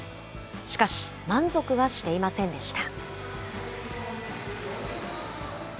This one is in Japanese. しかし、満足はしていませんでした。